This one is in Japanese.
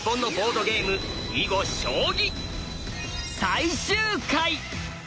最終回！